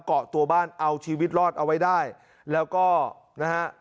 เกาะตัวบ้านเอาชีวิตรอดเอาไว้ได้แล้วก็นะฮะ